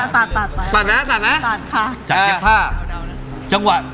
ตัดตัดตัดตัดนะตัดนะ